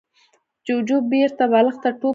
جوجو بېرته بالښت ته ټوپ کړ.